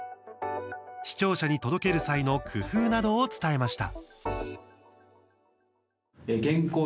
視聴者に届ける際の工夫などを伝えました。